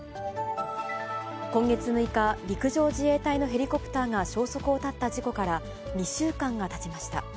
今月６日、陸上自衛隊のヘリコプターが消息を絶った事故から２週間がたちました。